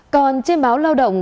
còn trên báo lao động